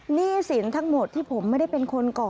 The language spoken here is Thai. หนี้สินทั้งหมดที่ผมไม่ได้เป็นคนก่อ